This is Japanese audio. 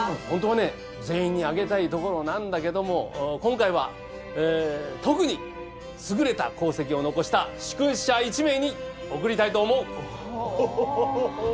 本当はね全員にあげたいところなんだけども今回は特に優れた功績を残した殊勲者１名に贈りたいと思う。